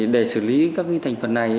để xử lý các thành phần này